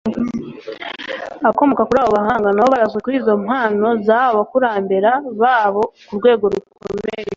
abakomoka kuri abo bahanga nabo barazwe kuri izo mpano zahawe abakurambera babo ku rwego rukomeye